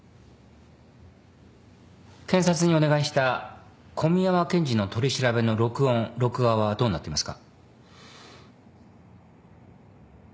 検察にお願いした小宮山検事の取り調べの録音録画はどうなっていますか。